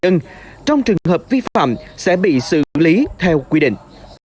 ân trong trường hợp vi phạm sẽ bị xử lý theo quy định